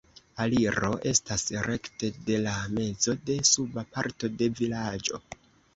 Aliro estas rekte de la mezo de suba parto de vilaĝo.